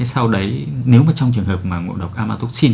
sau đấy nếu mà trong trường hợp mà ngộ độc amatocin